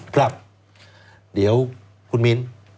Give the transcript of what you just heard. ครับเดี๋ยวคุณมิ้น